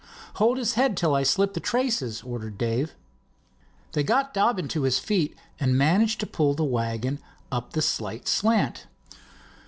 "Hold his head till I slip the traces," ordered Dave. They got Dobbin to his feet and managed to pull the wagon up the slight slant.